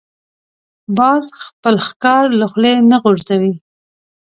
باز خپل ښکار له خولې نه غورځوي